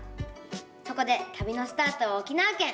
そこでたびのスタートは沖縄県。